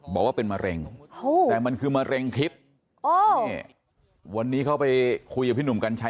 บอกว่าเป็นมะเร็งแต่มันคือมะเร็งทิพย์วันนี้เขาไปคุยกับพี่หนุ่มกัญชัย